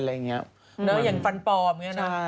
แล้วอย่างฟันปลอมเนี่ยนะ